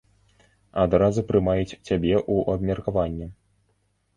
Адразу прымаюць цябе ў абмеркаванне.